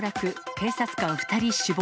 警察官２人死亡。